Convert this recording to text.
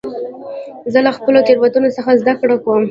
زه له خپلو تېروتنو څخه زدهکړه کوم.